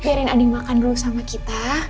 biarin adi makan dulu sama kita